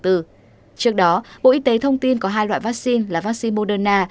trước đó bộ y tế thông tin có hai loại vaccine là vaccine moderna